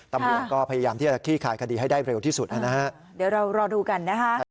ตำรวจก็พยายามที่จะขี้คายคดีให้ได้เร็วที่สุดนะฮะเดี๋ยวเรารอดูกันนะฮะ